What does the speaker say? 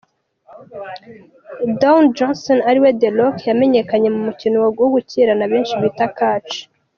Dwayne Johnson ari we The Rock, yamenyekanye mu mukino wa gukirana benshi bita catch.